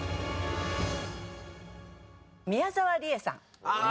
宮沢りえさん